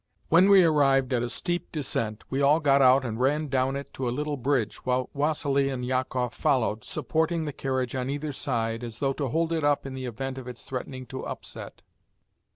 When we arrived at a steep descent, we all got out and ran down it to a little bridge, while Vassili and Jakoff followed, supporting the carriage on either side, as though to hold it up in the event of its threatening to upset.